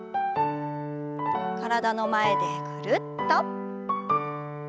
体の前でぐるっと。